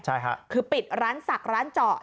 ใช่ค่ะคือปิดร้านศักดิ์ร้านเจาะ